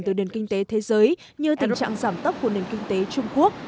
từ nền kinh tế thế giới như tình trạng giảm tốc của nền kinh tế trung quốc